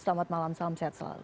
selamat malam salam sehat selalu